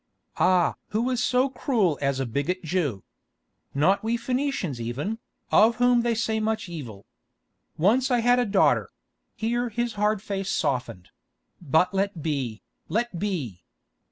Ah! who is so cruel as a bigot Jew? Not we Phœnicians even, of whom they say such evil. Once I had a daughter"—here his hard face softened—"but let be, let be!